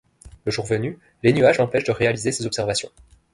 Le jour venu, les nuages l'empêchent de réaliser ses observations.